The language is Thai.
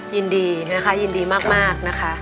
ยินดีนะคะยินดีมากนะคะ